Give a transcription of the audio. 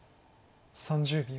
３０秒。